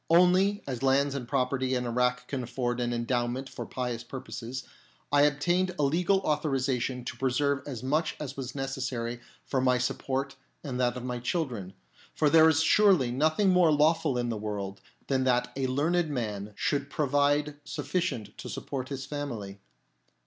Only, as lands and property in Irak can afford an endowment for pious purposes, I obtained a legal authorisation to preserve as much as was necessary for my support and that of my children ; for there is surely nothing more lawful in the world than that a learned man should provide sufficient to support his family.